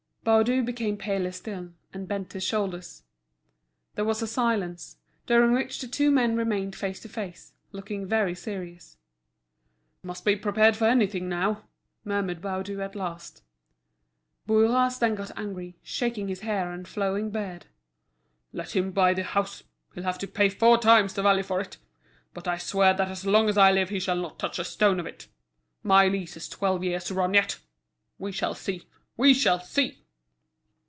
Baudu became paler still, and bent his shoulders. There was a silence, during which the two men remained face to face, looking very serious. "Must be prepared for anything now," murmured Baudu at last. Bourras then got angry, shaking his hair and flowing beard. "Let him buy the house, he'll have to pay four times the value for it! But I swear that as long as I live he shall not touch a stone of it. My lease has twelve years to run yet. We shall see! we shall see!"